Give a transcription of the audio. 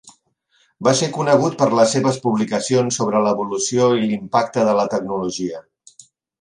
Va ser conegut per les seves publicacions sobre l'evolució i l'impacte de la tecnologia.